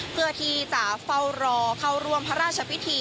เพื่อที่จะเฝ้ารอเข้าร่วมพระราชพิธี